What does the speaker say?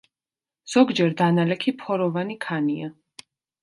ზოგჯერ დანალექი ფოროვანი ქანია.